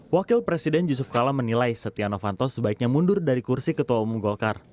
wakil presiden yusuf kala menilai setia novanto sebaiknya mundur dari kursi ketua umum golkar